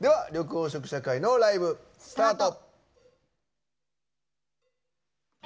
緑黄色社会のライブ、スタート。